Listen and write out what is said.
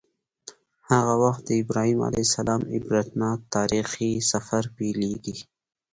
هغه وخت د ابراهیم علیه السلام عبرتناک تاریخي سفر پیلیږي.